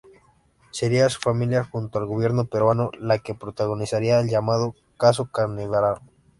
Sería su familia, junto al Gobierno peruano, la que protagonizaría el llamado "Caso Canevaro".